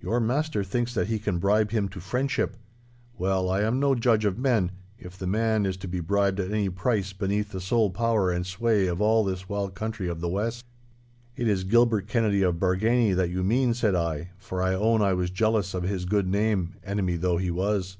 Your master thinks that he can bribe him to friendship; well, I am no judge of men, if the man is to be bribed at any price beneath the sole power and sway of all this wild country of the west.' 'It is Gilbert Kennedy of Bargany that you mean,' said I, for I own I was jealous of his good name, enemy though he was.